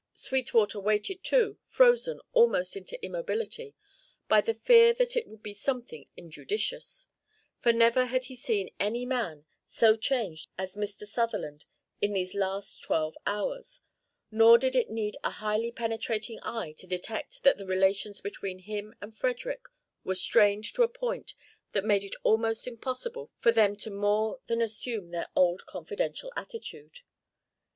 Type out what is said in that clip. Sweetwater waited, too, frozen almost into immobility by the fear that it would be something injudicious, for never had he seen any man so changed as Mr. Sutherland in these last twelve hours, nor did it need a highly penetrating eye to detect that the relations between him and Frederick were strained to a point that made it almost impossible for them to more than assume their old confidential attitude.